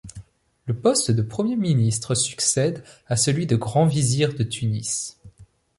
Le poste de Premier ministre succède à celui de grand vizir de Tunis.